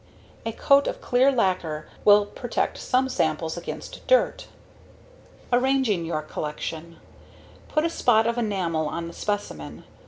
A coat of clear lacquer will protect some samples against dirt. Arranging Your Collection Put a spot of enamel on the specimen.